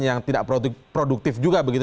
yang tidak produktif juga begitu